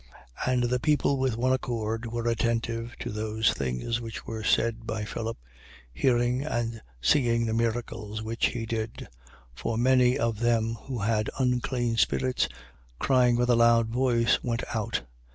8:6. And the people with one accord were attentive to those things which were said by Philip, hearing, and seeing the miracles which he did. 8:7. For many of them who had unclean spirits, crying with a loud voice, went out.